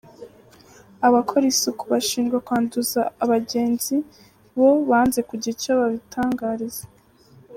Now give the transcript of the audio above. Abakora isuku bashinjwa kwanduza abagenzi bo , banze kugira icyo batangariza.